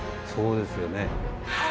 そうですよね。